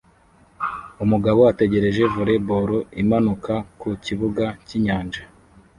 Umugabo ategereje volleyball imanuka ku kibuga cyinyanja